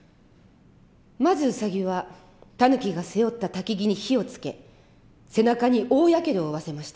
まずウサギはタヌキが背負った薪に火をつけ背中に大やけどを負わせました。